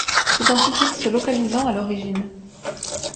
C'est un suffixe localisant à l'origine.